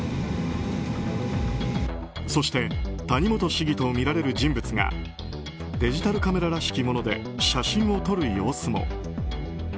そして谷本市議とみられる人物がデジタルカメラらしきもので写真を撮る様子も。